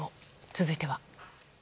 続いては。